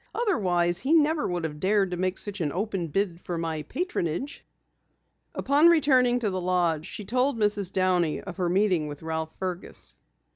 "Otherwise, he never would have dared to make such an open bid for my patronage." Upon returning to the lodge she told Mrs. Downey of her meeting with Ralph Fergus.